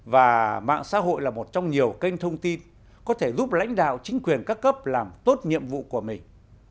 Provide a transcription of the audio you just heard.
và mạng xã hội là một trong nhiều kênh thông tin có thể giúp lãnh đạo chính quyền các cấp làm tốt nhiệm vụ của mình